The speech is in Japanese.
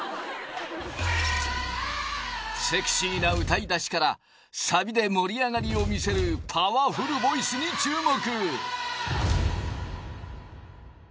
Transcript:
セクシーな歌い出しからサビで盛り上がりを見せるパワフルボイスに注目